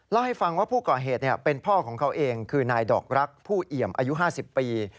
เล่าให้ฟังว่าผู้ก่อเหตุเป็นพ่อของเขาเองคือนายดอกรักผู้เอี่ยมอายุ๕๐ปี